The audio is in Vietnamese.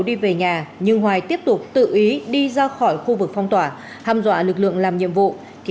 đi về nhà nhưng hoài tiếp tục tự ý đi ra khỏi khu vực phong tỏa ham dọa lực lượng làm nhiệm vụ